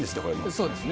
そうですね。